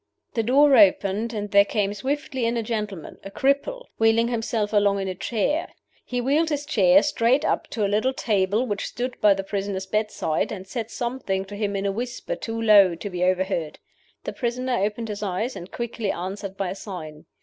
"The door opened, and there came swiftly in a gentleman a cripple wheeling himself along in a chair. He wheeled his chair straight up to a little table which stood by the prisoner's bedside, and said something to him in a whisper too low to be overheard. The prisoner opened his eyes, and quickly answered by a sign.